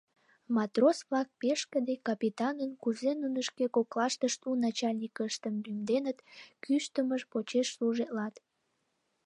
Матрос-влак пешкыде капитанын, кузе нуно шке коклаштышт у начальникыштым лӱмденыт, кӱштымыж почеш служитлат.